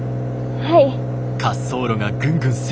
はい。